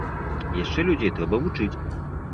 Яшчэ людзей трэба вучыць.